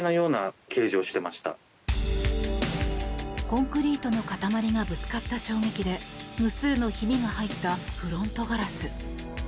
コンクリートの塊がぶつかった衝撃で無数のひびが入ったフロントガラス。